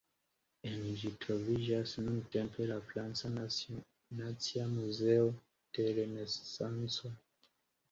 En ĝi troviĝas nuntempe la "Franca Nacia Muzeo de Renesanco".